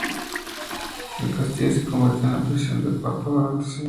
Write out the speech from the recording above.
El castillo se convirtió en la prisión del papa durante siete meses.